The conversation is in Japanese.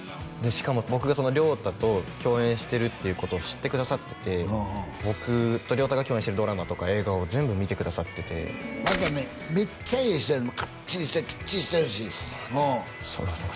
しかも僕が太と共演してるっていうことを知ってくださってて僕と太が共演してるドラマとか映画を全部見てくださっててまたねめっちゃええ人やねんカッチリしてキッチリしてるしそうなんですよ